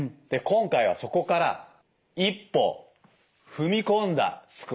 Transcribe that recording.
今回はそこから一歩踏み込んだスクワット。